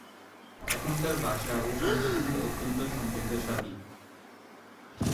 এখানকার ভাষা ও সংস্কৃতি অত্যন্ত সমৃদ্ধশালী।